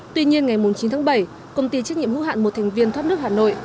tuy nhiên ngày chín tháng bảy công ty trách nhiệm hữu hạn một thành viên thoát nước hà nội